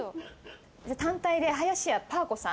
じゃあ、単体で林家パー子さん。